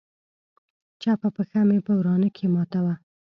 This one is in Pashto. چپه پښه مې په ورانه کښې ماته وه.